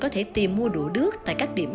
có thể tìm mua đũa đước tại các điểm